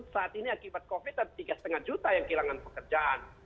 saat ini akibat covid ada tiga lima juta yang kehilangan pekerjaan